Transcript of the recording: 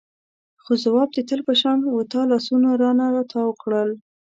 خو ځواب د تل په شان و تا لاسونه رانه تاو کړل.